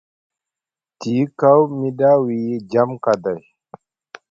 Tiyi kaw mi ɗa wiyi jam kaday.